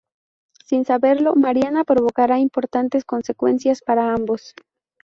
Sin saberlo, Mariana provocará importantes consecuencias para ambos.